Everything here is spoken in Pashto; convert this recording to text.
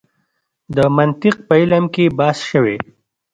د منطق په علم کې بحث شوی.